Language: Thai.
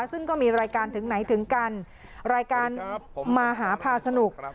ซึ่งก็มีรายการถึงไหนถึงกันรายการมหาพาสนุก